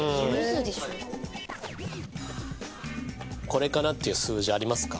これかなっていう数字ありますか？